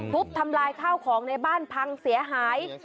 ทุบทำลายข้าวของในบ้านพังเสียหาย